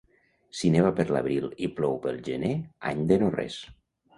Si neva per l'abril i plou pel gener, any de no res.